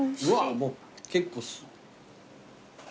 もう結構。